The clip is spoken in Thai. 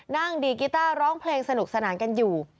นั่งดีกีต้าร้องเพลงสนุกสนานกันอยู่